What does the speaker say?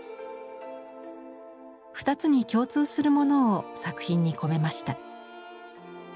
２つに共通するものを作品に込めました。